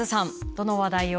どの話題を？